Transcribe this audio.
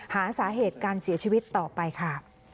หาสาเหตุการเสียชีวิตต่อไปค่ะ